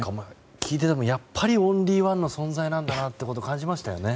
聞いていてもやっぱりオンリーワンな存在なんだなと感じましたよね。